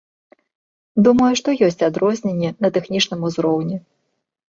Думаю, што ёсць адрозненні на тэхнічным узроўні.